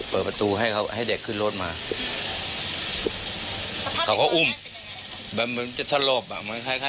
พี่สมหมายก็เลย